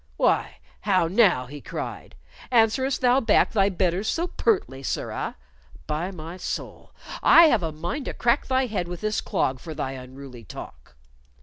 "Why, how now?" he cried. "Answerest thou back thy betters so pertly, sirrah? By my soul, I have a mind to crack thy head with this clog for thy unruly talk."